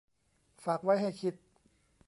ฝากไว้ให้คิด